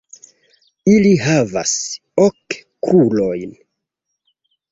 Ili havas ok krurojn.